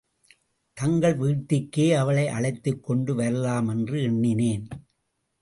தங்கள் வீட்டுக்கே அவளை அழைத்துக்கொண்டு வரலாமென்று எண்ணினேன்.